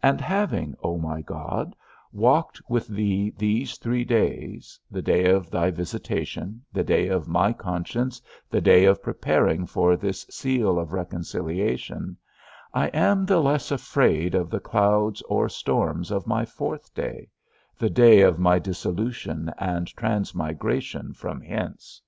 And having, O my God, walked with thee these three days, the day of thy visitation, the day of my conscience, the day of preparing for this seal of reconciliation, I am the less afraid of the clouds or storms of my fourth day, the day of my dissolution and transmigration from hence.